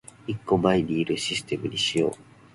一個前にいるシステムにしよう